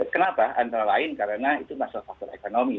kenapa antara lain karena itu masalah faktor ekonomi